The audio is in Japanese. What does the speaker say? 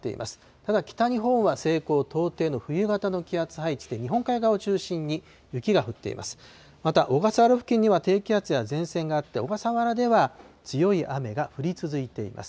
ただ、北日本は西高東低の冬型の気圧配置で、日本海側を中心に雪が降っています。